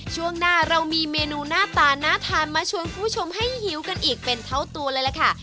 ช่วงหน้าเรามีเมนูหน้าตาน่าทานมาชวนคุณผู้ชมให้หิวกันอีกเป็นเท่าตัวเลยล่ะค่ะ